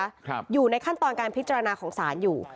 ครับอยู่ในขั้นตอนการพิจารณาของศาลอยู่